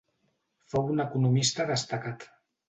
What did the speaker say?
Fou un economista destacat.